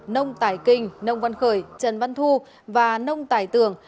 nông tải kinh nông văn khởi trần văn thu và nông tải tường